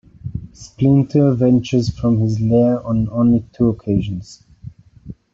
Splinter ventures from his lair on only two occasions.